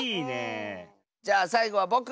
じゃあさいごはぼく！